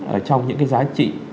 ở trong những cái giá trị